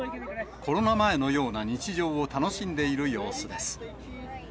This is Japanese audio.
コロナ前のような日常を楽しんでいる様子です。